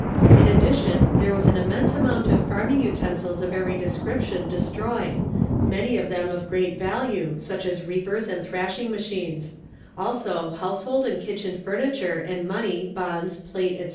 In addition there was an immense amount of farming utensils of every description destroyed, many of them of great value, such as reapers and thrashing machines; also, household and kitchen furniture, and money, bonds, plate, etc.